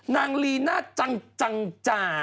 ลีน่าจังจังจ่า